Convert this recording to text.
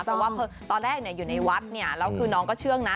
เพราะว่าตอนแรกอยู่ในวัดเนี่ยแล้วคือน้องก็เชื่องนะ